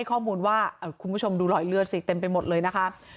คุณผู้ชมดูรอยเลือดซิเต็มไปหมดเลยนะคะ